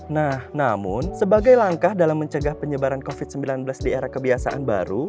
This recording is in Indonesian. nah namun sebagai langkah dalam mencegah penyebaran covid sembilan belas di era kebiasaan baru